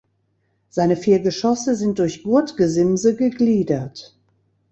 Seine vier Geschosse sind durch Gurtgesimse gegliedert.